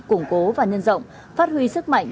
củng cố và nhân rộng phát huy sức mạnh